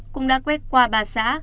cũng đã quét qua ba xã